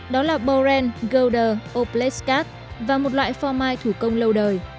đó là boren gouda opleskas và một loại phò mai thủ công lâu đời